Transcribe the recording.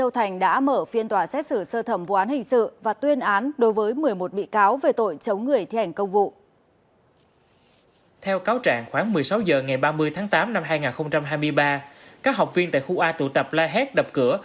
theo cáo trạng khoảng một mươi sáu h ngày ba mươi tháng tám năm hai nghìn hai mươi ba các học viên tại khu a tụ tập la hét đập cửa